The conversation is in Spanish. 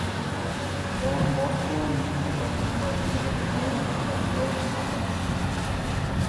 Don Bosco -límite con el partido de Morón- hasta el Río Matanza.